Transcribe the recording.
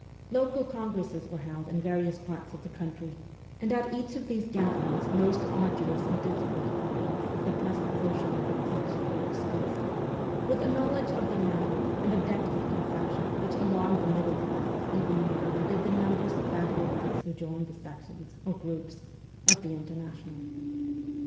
Local congresses were held in various parts of the country, and at each of these gatherings most arduous and difficult problems of the present social organization were discussed, with a knowledge of the matter and a depth of conception which alarmed the middle classes even more than did the numbers of adherents who joined the sections, or groups, of the International.